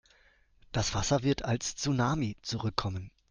Das Wasser wird als Tsunami zurückkommen.